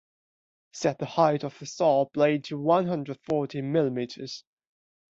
set the height of the saw blade to one-hundred-forty millimeters